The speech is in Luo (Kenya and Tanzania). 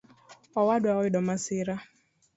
Owadwa oyudo masira